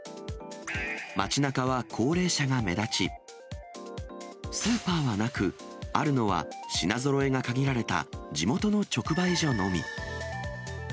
町なかは高齢者が目立ち、スーパーはなく、あるのは品ぞろえが限られた地元の直売所のみ。